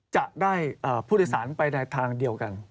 จะได้ผู้โดยสารไปในทางเดียวกัน